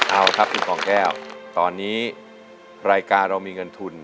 เอาครับคุณกองแก้วตอนนี้รายการเรามีเงินทุน